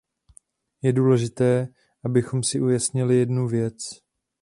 Je důležité, abychom si ujasnili jednu věc..